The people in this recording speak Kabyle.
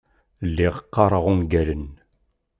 Lliɣ qqareɣ ungalen.